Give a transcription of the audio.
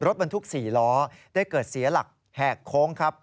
รถบรรทุก๔ล้อได้เกิดเสียหลักแหกโค้งครับ